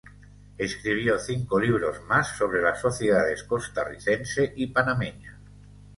Escribió cinco libros más sobre las sociedades costarricense y panameña.